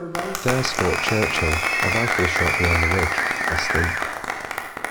There's Fort Churchill, a rifle-shot beyond the ridge, asleep.